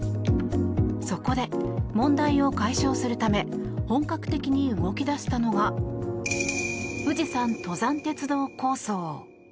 そこで、問題を解消するため本格的に動き出したのが富士山登山鉄道構想。